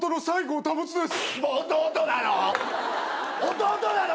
弟なの！？